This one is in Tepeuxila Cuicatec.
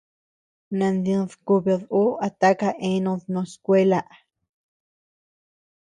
Nandid kubid ú a taka eanud no skuela.